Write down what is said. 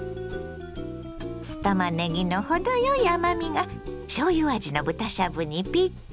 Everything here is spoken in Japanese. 酢たまねぎの程よい甘みがしょうゆ味の豚しゃぶにピッタリ。